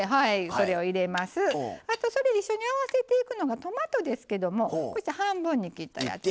それ、一緒に合わせていくのがトマトですけども半分に切ったやつ